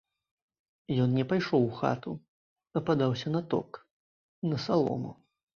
Ён не пайшоў у хату, а падаўся на ток, на салому.